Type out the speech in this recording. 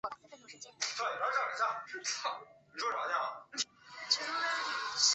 这些话剧后来被笼统地称为先锋话剧。